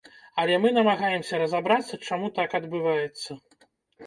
Але мы намагаемся разабрацца, чаму так адбываецца.